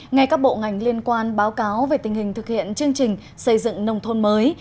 ngay các bộ ngành liên quan báo cáo về tình hình thực hiện chương trình xây dựng nông thôn mới